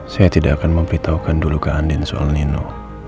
saya tidak akan memberitahukan dulu ke andin soal nino